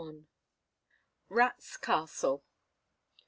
RATS' CASTLE.